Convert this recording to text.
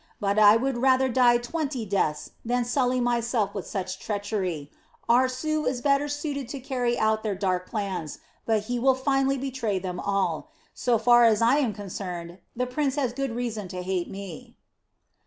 But I would rather die twenty deaths than sully myself with such treachery. Aarsu is better suited to carry out their dark plans, but he will finally betray them all. So far as I am concerned, the prince has good reason to hate me."